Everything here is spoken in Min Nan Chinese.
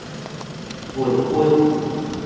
銀根